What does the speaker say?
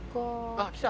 あっ来た。